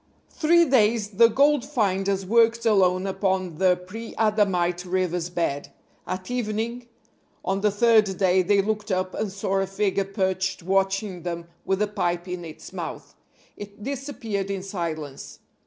THREE days the gold finders worked alone upon the pre Adamite river's bed. At evening on the third day they looked up and saw a figure perched watching them with a pipe in its mouth. It disappeared in silence.